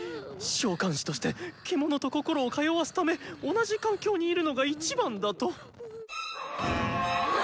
召喚士として獣と心を通わすため同じ環境にいるのが一番だと。